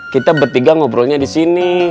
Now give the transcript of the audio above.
kita bertiga ngobrolnya di sini